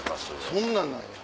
そんなんなんや。